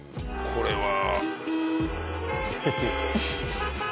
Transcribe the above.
これは。